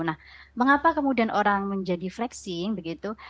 nah mengapa kemudian orang menjadi flexing begitu